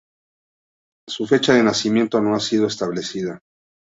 Su fecha de nacimiento no ha sido establecida.